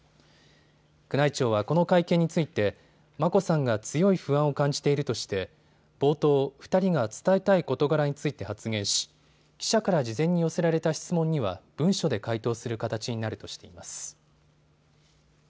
宮内庁はこの会見について眞子さんが強い不安を感じているとして冒頭２人が伝えたい事柄について発言し記者から事前に寄せられた質問には文書で回答する形になるとしています。